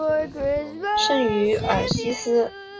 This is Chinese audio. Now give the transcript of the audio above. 圣于尔西斯。